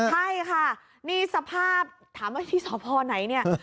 ใช่ค่ะนี่สภาพถามว่าที่สพไหนเนี่ย